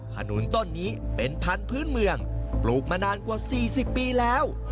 ขนุนต้นนี้เป็นพันธุ์พื้นเมืองปลูกมานานกว่า๔๐ปีแล้ว